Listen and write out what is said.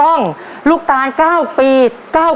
ขอบคุณครับขอบคุณครับ